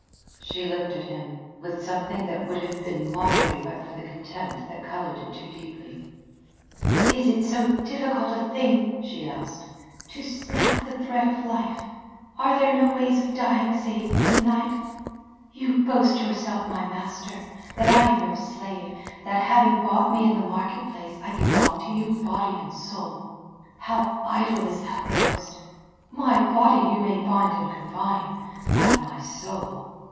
She looked at him, with something that would have been mockery but for the contempt that coloured it too deeply. "Is it so difficult a thing," she asked, "to snap the thread of life? Are there no ways of dying save by the knife? You boast yourself my master; that I am your slave; that, having bought me in the market place, I belong to you body and soul. How idle is that boast. My body you may bind and confine; but my soul....